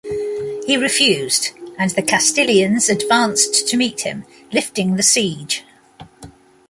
He refused, and the Castilians advanced to meet him, lifting the siege.